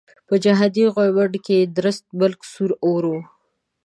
په جهادي غويمنډه کې درست ملک سور اور وو.